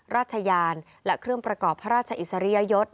ราชยานและเครื่องประกอบพระราชอิสริยยศ